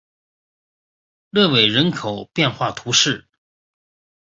勒韦人口变化图示